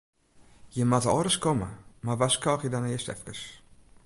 Jimme moatte al ris komme, mar warskôgje dan earst efkes.